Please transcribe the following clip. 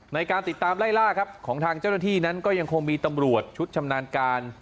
ในการติดตามไล่ล่าครับของทางเจ้าหน้าที่นั้นก็ยังคงมีตำรวจชุดชำนาญการ